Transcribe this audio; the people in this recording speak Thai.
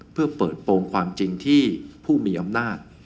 เพื่อเปิดโปรงความจริงที่ผู้มีอำนาจ